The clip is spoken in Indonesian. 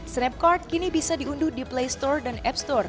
snapcard kini bisa diunduh di playstore